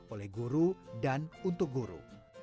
oleh guru dan untuk guru